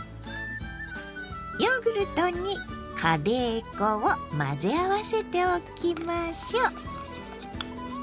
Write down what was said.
ヨーグルトにカレー粉を混ぜ合わせておきましょう。